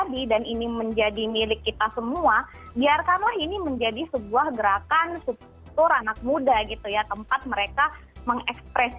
dengan outfit yang oke